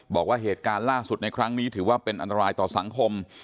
บอกว่าเหตุการณ์ล่าสุดในครั้งนี้ถือว่าเป็นอันตรายต่อสังคม